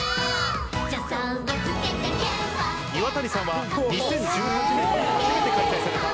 岩谷さんは２０１８年に初めて開催された